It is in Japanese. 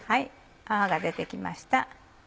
泡が出て来ました。